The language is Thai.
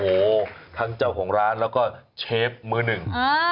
โอ้โหทั้งเจ้าของร้านแล้วก็เชฟมือหนึ่ง